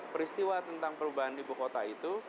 peristiwa tentang perubahan ibu kota itu